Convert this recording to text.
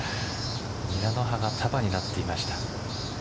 ニラの葉が束になっていました。